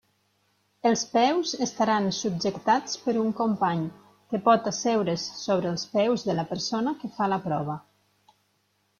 Els peus estaran subjectats per un company, que pot asseure's sobre els peus de la persona que fa la prova.